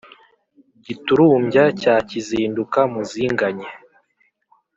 giturumbya cya kizinduka muzinganye